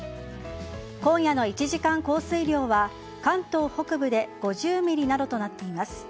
今夜の１時間降水量は関東北部で５０ｍｍなどとなっています。